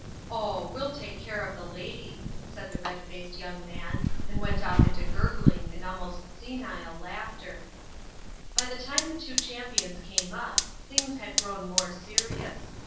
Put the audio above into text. "Oh! we'll take care of the lady," said the red faced young man, and went off into gurgling and almost senile laughter. By the time the two champions came up, things had grown more serious.